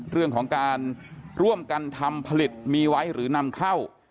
เรื่องของการร่วมกันทำผลิตมีไว้หรือนำเข้า